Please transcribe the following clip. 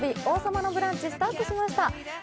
「王様のブランチ」スタートしました。